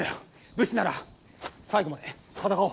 武士なら最後まで戦おう。